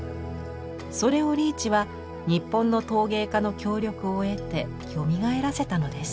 それをリーチは日本の陶芸家の協力を得てよみがえらせたのです。